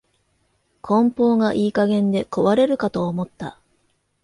梱包がいい加減で壊れるかと思った